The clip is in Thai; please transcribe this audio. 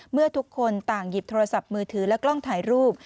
เมื่อทุกคนต่างหยิบโทรศัพท์มือถือและกล้องถ่ายรูป